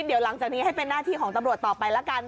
เดี๋ยวหลังจากนี้ให้เป็นหน้าที่ของตำรวจต่อไปละกัน